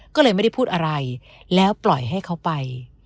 ก็เลยไม่ได้พูดอะไรแล้วปล่อยให้เขาไป